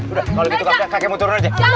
udah kalau gitu kakek mau turun aja